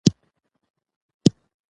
د پیرود ځای ته نوي توکي راغلل.